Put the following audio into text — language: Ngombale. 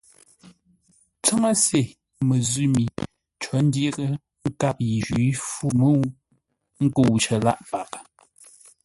Tsáŋə́se məzʉ̂ mi có ndyəghʼə́ nkâp yi jwǐ fû mə́u ńkə̂u cər lâʼ paghʼə.